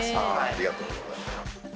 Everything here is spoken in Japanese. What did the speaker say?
ありがとうございます。